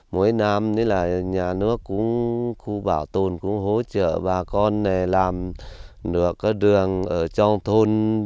mỗi năm thì là nhà nước cũng khu bảo tồn cũng hỗ trợ bà con làm được đường ở trong thôn